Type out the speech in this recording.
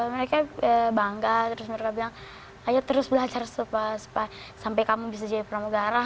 mereka bangga terus mereka bilang ayo terus belajar sampai kamu bisa jadi pramugara